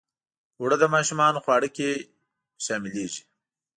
اوړه د ماشومانو خواړه کې شاملیږي